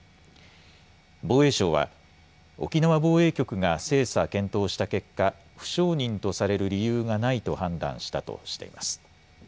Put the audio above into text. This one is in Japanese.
防衛省は沖縄防衛局が精査、検討した結果、不承認とされる理由がないと判断したとしています。